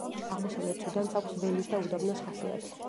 აღმოსავლეთ სუდანს აქვს ველის და უდაბნოს ხასიათი.